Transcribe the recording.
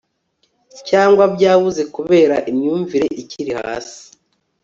cyangwa byabuze kubera imyumvire ikiri hasi